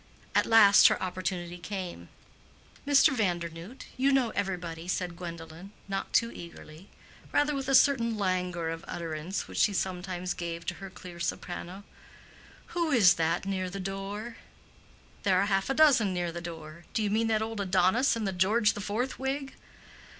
At last her opportunity came. "Mr. Vandernoodt, you know everybody," said Gwendolen, not too eagerly, rather with a certain languor of utterance which she sometimes gave to her clear soprano. "Who is that near the door?" "There are half a dozen near the door. Do you mean that old Adonis in the George the Fourth wig?"